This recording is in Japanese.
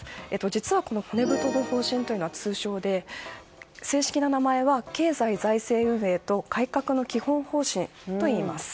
実はこの骨太の方針は通称で正式な名前は経済財政運営と改革の基本方針といいます。